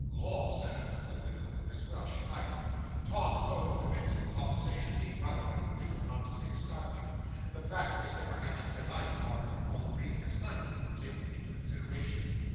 '"Lor, Sir!" said the widow as well she might; Tom's mode of commencing the conversation being rather unusual, not to say startling; the fact of his never having set eyes upon her before the previous night being taken into consideration.